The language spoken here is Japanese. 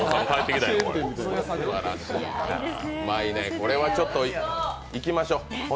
これはちょっと行きましょう。